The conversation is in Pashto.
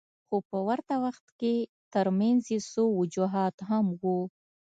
خو په ورته وخت کې ترمنځ یې څو وجوهات هم وو.